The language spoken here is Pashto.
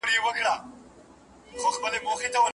یوازي په هغومره اندازه خواړه وخورئ چي معده مو یې هضم کولای سي.